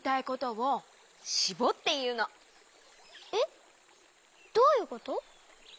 えっどういうこと？